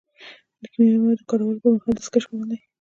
د کیمیاوي موادو کارولو پر مهال دستکشې واغوندئ.